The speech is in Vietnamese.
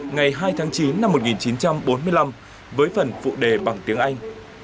ngày hai tháng chín năm một nghìn chín trăm bốn mươi năm với phần phụ đề bằng tiếng anh